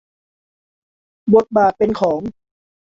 บทบาทเป็นของ